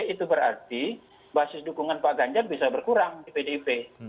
itu berarti basis dukungan pak ganjar bisa berkurang di pdip